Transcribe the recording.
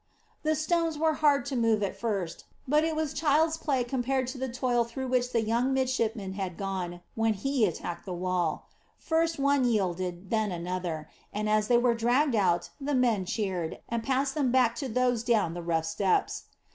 The stones were hard to move at first, but it was child's play compared to the toil through which the young midshipman had gone when he attacked the wall. First one yielded, then another, and, as they were dragged out, the men cheered, and passed them back to those down the rough steps.